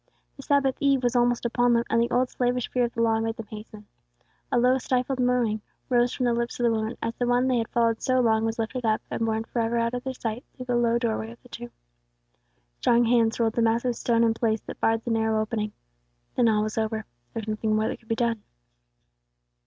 The Sabbath eve was almost upon them, and the old slavish fear of the Law made them hasten. A low stifled moaning rose from the lips of the women, as the One they had followed so long was lifted up, and borne forever out of their sight, through the low doorway of the tomb. Strong hands rolled the massive stone in place that barred the narrow opening. Then all was over; there was nothing more that could be done.